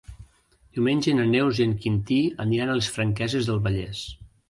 Diumenge na Neus i en Quintí aniran a les Franqueses del Vallès.